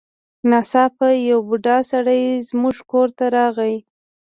ناڅاپه یو بوډا سړی زموږ کور ته راغی.